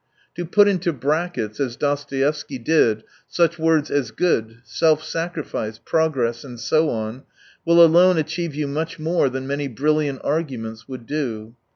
To put into brackets, as Dostoevsky did, such words as good, self sacrifice, progress, and so on, wUl alone achieve you much more than many brilliant arguments would do.